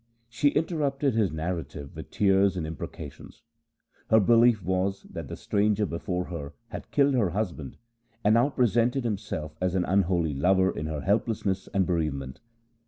She inter rupted his narrative with tears and imprecations. Her belief was, that the stranger before her had killed her husband, and now presented himself as an unholy lover in her helplessness and bereave ment.